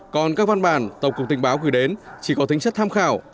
còn các văn bản tổng cục tình báo gửi đến chỉ có tính chất tham khảo